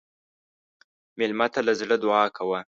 مېلمه ته له زړه دعا کوه.